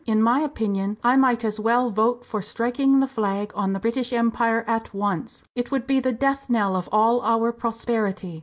In my opinion I might as well vote for striking the flag on the British Empire at once! It would be the death knell of all our prosperity."